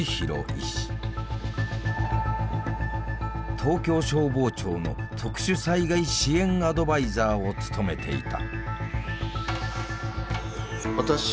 東京消防庁の特殊災害支援アドバイザーを務めていた。